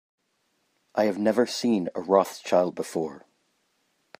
I have never seen a Rothschild before.